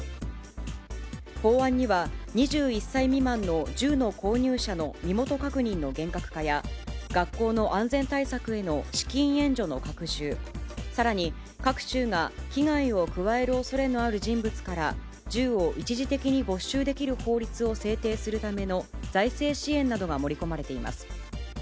法案には、２１歳未満の銃の購入者の身元確認の厳格化や、学校の安全対策への資金援助の拡充、さらに各州が危害を加えるおそれのある人物から、銃を一時的に没収できる法律を制定するための財政支援などが盛り込まれています。